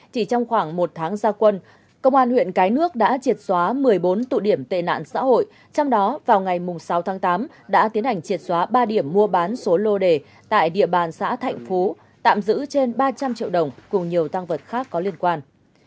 chỉ trong khoảng một tháng gia quân công an huyện cái nước đã triệt xóa một mươi bốn tụ điểm tệ nạn xã hội trong đó vào ngày sáu tháng tám đã tiến hành triệt xóa ba điểm mua bán số lô đề tại địa bàn xã thạnh phú tạm giữ trên ba trăm linh triệu đồng cùng nhiều tăng vật khác có liên quan